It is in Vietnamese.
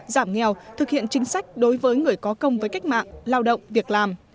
giảm nghèo thực hiện chính sách đối với người có công với cách mạng lao động việc làm